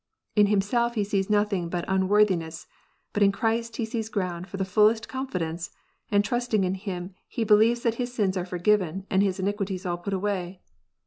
In himself he sees nothing but un worthiness, but in Christ he sees ground for the fullest confidence, and^ ^ trusting in Him he believes that his sins are all forgiven, and jthis iniquities all put away.